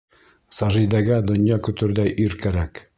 Сажидәгә донъя көтөрҙәй ир кәрәк.